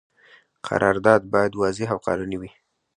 قرارداد باید واضح او قانوني وي.